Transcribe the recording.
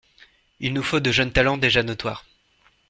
Il nous faut de jeunes talents déjà notoires.